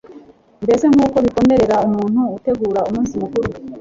mbese nk'uko bikomerera umuntu utegura umunsi mukuru